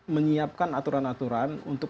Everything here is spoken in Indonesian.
menyiapkan aturan aturan untuk